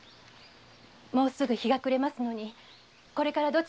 もうすぐ日が暮れますのにこれからどちらに？